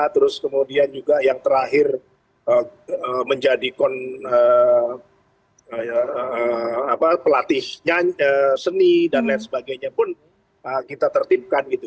terus kemudian juga yang terakhir menjadi pelatih seni dan lain sebagainya pun kita tertipkan gitu